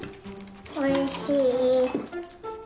おいしい？